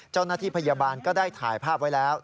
เจ้าหน้าที่พยาบาลก็ได้ถ่ายภาพไว้แล้ว